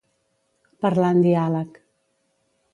Parlar en diàleg.